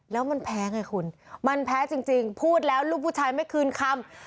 แล้วมันแพ้ไงคุณมันแพ้จริงพูดแล้วลูกผู้ชายไม่คืนคำ